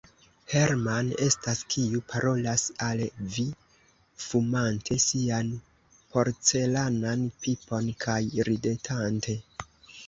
Hermann estas, kiu parolas al vi fumante sian porcelanan pipon kaj ridetante.